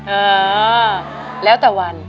เออแล้วแต่วัน